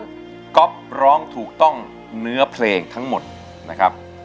คือก๊อฟร้องถูกต้องเนื้อเพลงทั้งหมดนะครับ